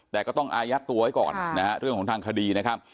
แต่ก็ต้องอายัดตัวไว้ก่อนเรื่องของทางคดี